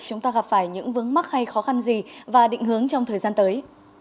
chúng ta gặp phải những vướng mắc hay khó khăn gì và định hướng trong thời gian tới